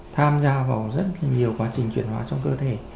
tham gia vào rất nhiều quá trình chuyển hóa trong cơ thể